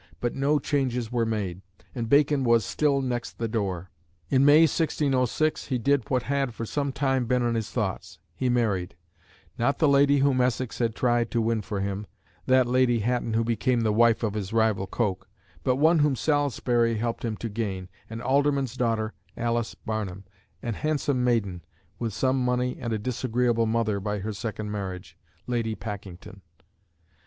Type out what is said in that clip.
But no changes were made, and Bacon was "still next the door." In May, 1606, he did what had for some time been in his thoughts: he married; not the lady whom Essex had tried to win for him, that Lady Hatton who became the wife of his rival Coke, but one whom Salisbury helped him to gain, an alderman's daughter, Alice Barnham, "an handsome maiden," with some money and a disagreeable mother, by her second marriage, Lady Packington.